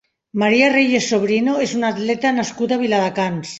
María Reyes Sobrino és una atleta nascuda a Viladecans.